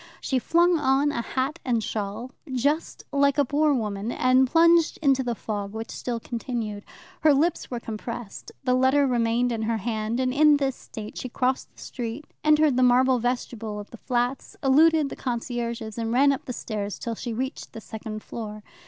She flung on a hat and shawl, just like a poor woman, and plunged into the fog, which still continued. Her lips were compressed, the letter remained in her hand, and in this state she crossed the street, entered the marble vestibule of the flats, eluded the concierges, and ran up the stairs till she reached the second floor.